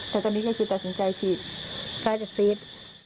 แต่ตอนนี้ก็คิดตัวสินใจฉีดกลายจากซีส